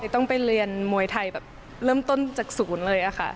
ต้องไปเรียนมวยไทยแบบเริ่มต้นจากศูนย์เลยค่ะ